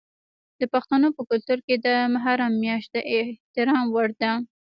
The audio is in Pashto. د پښتنو په کلتور کې د محرم میاشت د احترام وړ ده.